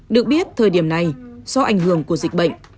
được biết thời điểm này do ảnh hưởng của dịch bệnh